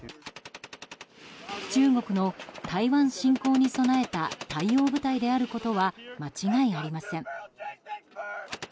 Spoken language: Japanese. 中国の台湾侵攻に備えた対応部隊であることは間違いありません。